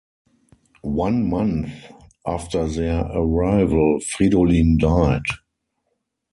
One month after their arrival, Fridolin died.